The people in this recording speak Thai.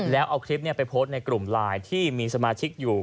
แล้วเอาคลิปไปโพสต์ในกลุ่มไลน์ที่มีสมาชิกอยู่